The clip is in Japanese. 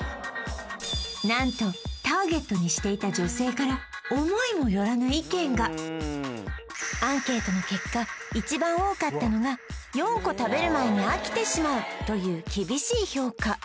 何とターゲットにしていたアンケートの結果一番多かったのが４個食べる前に飽きてしまうという厳しい評価